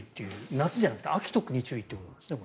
夏じゃなくて秋、特に注意ということですね。